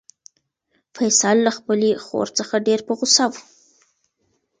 فیصل له خپلې خور څخه ډېر په غوسه و.